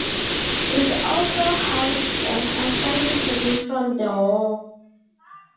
It also housed them after returning from the war.